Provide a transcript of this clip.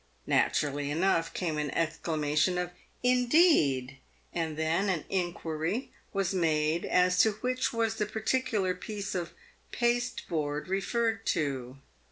Naturally enough came an ex clamation of " Indeed!" and then an inquiry was made as to which was the particular piece of pasteboard referred to.